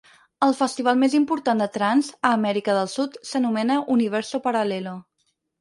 El festival més important de "trance" a Amèrica del Sud s'anomena Universo Paralello.